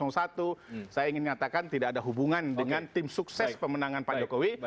saya ingin nyatakan tidak ada hubungan dengan tim sukses pemenangan pak jokowi